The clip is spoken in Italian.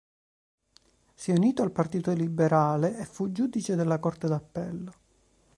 Si è unito al Partito Liberale e fu giudice della Corte d'Appello.